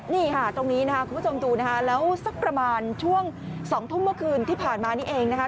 นี่ค่ะตรงนี้นะคะคุณผู้ชมดูนะคะแล้วสักประมาณช่วง๒ทุ่มเมื่อคืนที่ผ่านมานี่เองนะคะ